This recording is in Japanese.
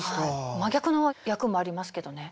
真逆の役もありますけどね。